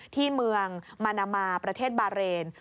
ที่เมืองมานามาประเทศบาเรน